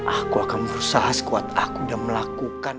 aku akan berusaha sekuat aku dan melakukan